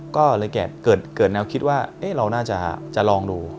ก็เลยเกิดแนวคิดว่าเราน่าจะลองดู